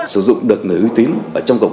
sử dụng được người uy tín trong cộng đồng